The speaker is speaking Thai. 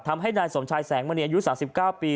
ทำให้นายสมชายแสงมณีอายุ๓๙ปี